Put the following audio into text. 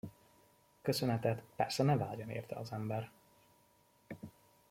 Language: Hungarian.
Köszönetet, persze, ne várjon érte az ember.